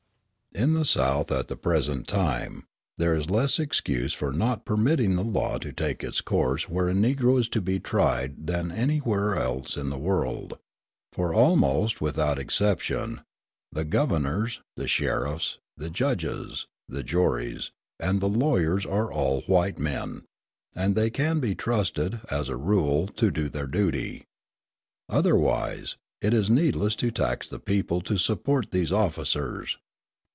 In the South, at the present time, there is less excuse for not permitting the law to take its course where a Negro is to be tried than anywhere else in the world; for, almost without exception, the governors, the sheriffs, the judges, the juries, and the lawyers are all white men, and they can be trusted, as a rule, to do their duty. Otherwise, it is needless to tax the people to support these officers.